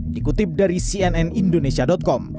dikutip dari cnn indonesia com